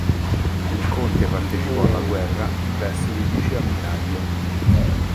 Il conte partecipò alla guerra in veste di vice ammiraglio.